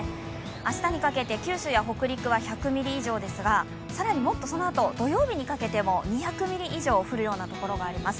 明日にかけて九州、北陸は１００ミリ以上ですが、更にもっとそのあと、土曜日にかけても２００ミリ以上降るところがあります